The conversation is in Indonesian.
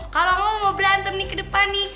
kalang lo mau berantem nih ke depan nih